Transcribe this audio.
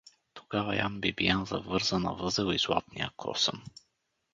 Тогава Ян Бибиян завърза на възел и златния косъм.